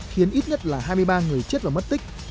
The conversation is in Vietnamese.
khiến ít nhất là hai mươi ba người chết và mất tích